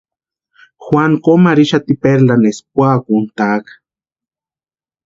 Juanu komu arhixati Perlani eska puakuntʼaaka.